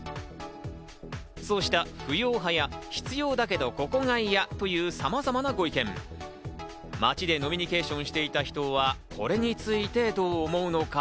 そうした不要派や、必要だけどここが嫌というさまざまなご意見、街で飲みニケーションをしていた人はこれについてどう思うのか？